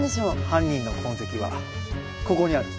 犯人の痕跡はここにある！